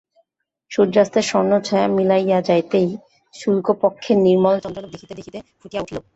সূর্যাস্তের স্বর্ণচ্ছায়া মিলাইয়া যাইতেই শুক্লপক্ষের নির্মল চন্দ্রালোক দেখিতে দেখিতে ফুটিয়া উঠিল।